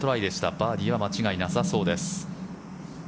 バーディーは間違いなさそうです。